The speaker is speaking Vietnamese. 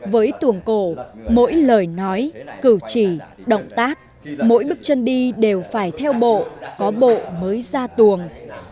với tuồng cổ mỗi lời nói cử chỉ động tác mỗi bước chân đi đều phải theo bộ có bộ mới ra tuồng